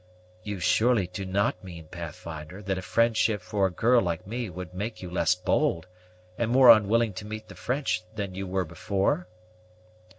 "You surely do not mean, Pathfinder, that a friendship for a girl like me would make you less bold, and more unwilling to meet the French than you were before?"